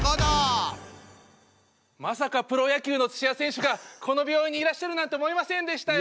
まさかプロ野球の土谷選手がこの病院にいらっしゃるなんて思いませんでしたよ。